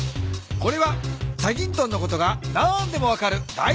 これは『チャギントン』のことが何でも分かるだい